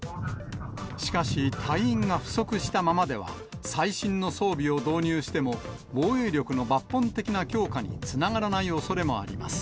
しかし、隊員が不足したままでは、最新の装備を導入しても、防衛力の抜本的な強化につながらないおそれもあります。